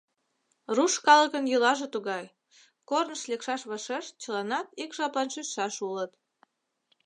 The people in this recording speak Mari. — Руш калыкын йӱлаже тугай: корныш лекшаш вашеш чыланат ик жаплан шичшаш улыт.